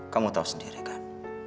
kamu tahu sendiri kan